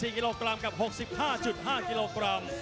๔กิโลกรัมกับ๖๕๕กิโลกรัม